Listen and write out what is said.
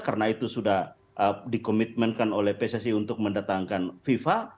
karena itu sudah dikomitmenkan oleh pcc untuk mendatangkan viva